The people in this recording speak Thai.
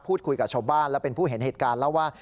พูดคุยกับชบบ้านแล้วเป็นผู้เห็นเหตุการณ์แล้วว่า